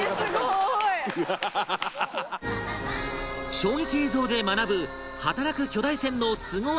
衝撃映像で学ぶ働く巨大船のスゴ技